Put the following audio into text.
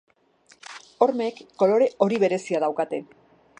Hormek kolore hori berezia daukate.